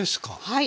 はい。